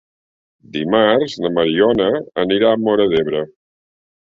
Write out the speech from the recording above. Dimarts na Mariona anirà a Móra d'Ebre.